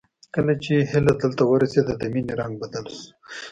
کله چې هيله دلته ورسېده د مينې رنګ بدل شو